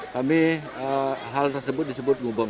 kami hal tersebut disebut gubeng